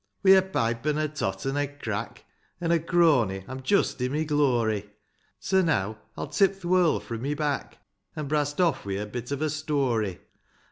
Wi' a pipe, an' a tot, an' a crack. An' a crony, I'm just i' my glory ; So now, I'll tip th' world fro' my back, An' brast off wi' a bit of a storj.